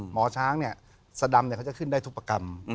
หมอช้างเนี่ยสดำเขาจะขึ้นได้ทุกประกรรม